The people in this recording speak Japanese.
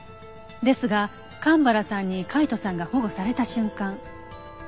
ですが蒲原さんに海斗さんが保護された瞬間。